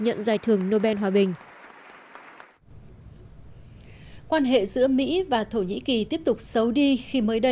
nhận giải thưởng nobel hòa bình quan hệ giữa mỹ và thổ nhĩ kỳ tiếp tục xấu đi khi